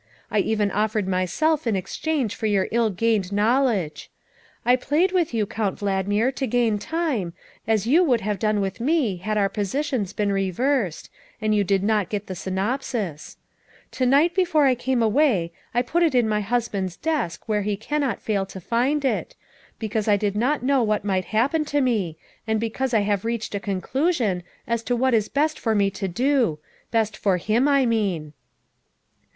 I even offered myself in ex change for your ill gained knowledge. I played with you, Count Valdmir, to gain time, as you would have done with me had our positions been reversed, and you THE SECRETARY OF STATE 307 did not get the synopsis. To night before I came away I put it in my husband's desk where he cannot fail to find it, because I did not know what might happen to me, and because I have reached a conclusion as to what is best for me to do best for him, I mean."